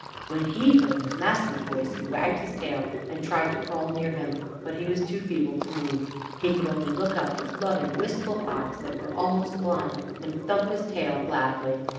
When he heard his master's voice he wagged his tail and tried to crawl near him. But he was too feeble to move. He could only look up with loving, wistful eyes that were almost blind, and thump his tail gladly.